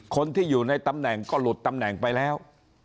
คนที่อยู่ในตำแหน่งก็หลุดตำแหน่งไปแล้ว